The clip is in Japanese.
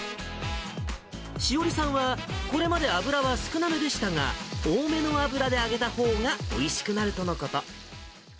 詩織さんは、これまで油は少なめでしたが、多めの油で揚げたほうがおいしくなるとのこと。